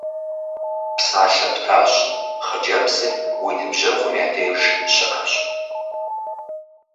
Псалъэ птащ, хъыджэбзыр уи ныбжьэгъум я деж щыӀэщ.